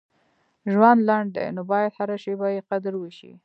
• ژوند لنډ دی، نو باید هره شیبه یې قدر وشي.